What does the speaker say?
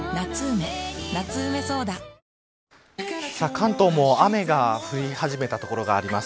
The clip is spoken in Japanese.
関東も雨が降り始めた所があります。